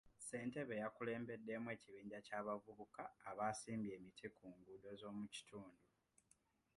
Ssentebe yakulembeddemu ekibinja ky'abavubuka abaasimbye emiti ku nguudo z'omu kitundu.